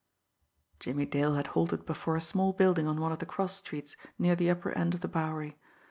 Jimmie Dale had halted before a small building on one of the cross streets near the upper end of the Bowery.